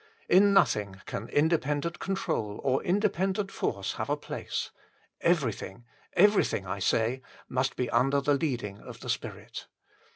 In nothing can independent control or in dependent force have a place : everything everything, I say must be under the leading of the Spirit.